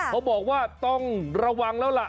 เขาบอกว่าต้องระวังแล้วล่ะ